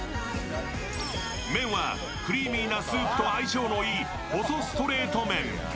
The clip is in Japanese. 麺は、クリーミーなスープと相性のいい細ストレート麺。